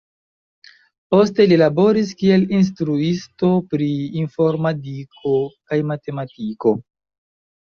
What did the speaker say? Poste li laboris kiel instruisto pri informadiko kaj matematiko.